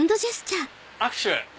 握手？